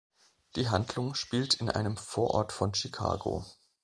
Die Handlung spielt in einem Vorort von Chicago.